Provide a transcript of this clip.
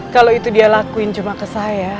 kalau itu dia lakuin cuma ke saya